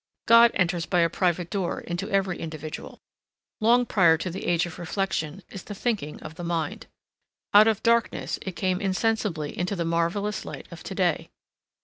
God enters by a private door into every individual. Long prior to the age of reflection is the thinking of the mind. Out of darkness it came insensibly into the marvellous light of to day.